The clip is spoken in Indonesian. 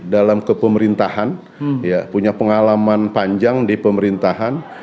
dalam kepemerintahan punya pengalaman panjang di pemerintahan